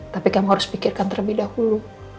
tapi kamu harus pikirkan terlebih dahulu